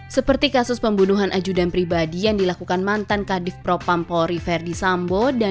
seperti kasus pembunuhan ajudan pribadi yang dilakukan mantan kadif propampo riverdi sambo